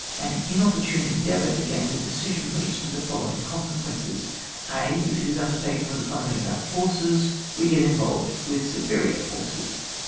An inopportune endeavour to gain the decision leads to the following con sequences :— (a.) If it is undertaken with economy of our forces, we get involved with superior forces.